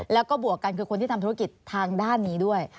แล้วก็บวกกันคือคนที่ทำธุรกิจทางด้านนี้ด้วย